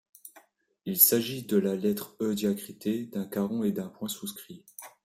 Il s’agit de la lettre E diacritée d’un caron et d’un point souscrit.